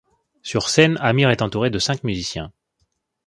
Sur scène, Amir est entouré de cinq musiciens.